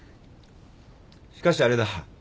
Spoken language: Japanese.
しかしあれだ。